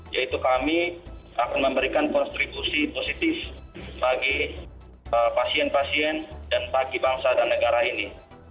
yaitu kami akan memberikan kontribusi positif bagi pasien pasien dan bagi bangsa dan negara ini